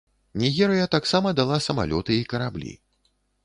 Нігерыя таксама дала самалёты і караблі.